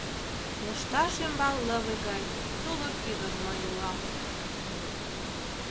Лышташ ӱмбал лыве гай тулык ӱдыр мый улам.